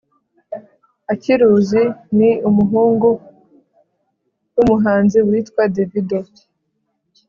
Akiruzi ni umuhungu wumuhanzi witwa davido